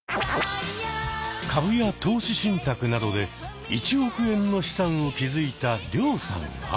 株や投資信託などで１億円の資産を築いたリョウさんは？